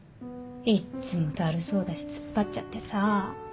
いっつもだるそうだし突っ張っちゃってさ。